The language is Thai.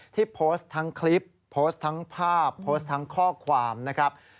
ที่โพสต์ทั้งคลิปโพสต์ทั้งภาพโพสต์ทั้งข้อความนะครับ